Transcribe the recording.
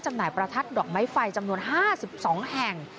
หน่ายประทัดดอกไม้ไฟจำนวน๕๒แห่ง